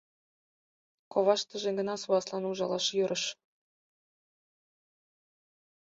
Коваштыже гына суаслан ужалаш йӧрыш...